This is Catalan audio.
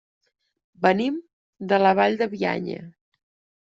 Venim de la Vall de Bianya.